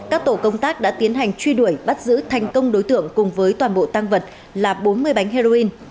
các tổ công tác đã tiến hành truy đuổi bắt giữ thành công đối tượng cùng với toàn bộ tăng vật là bốn mươi bánh heroin